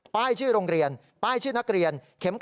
ป้ายชื่อโรงเรียนป้ายชื่อนักเรียนเข็ม๙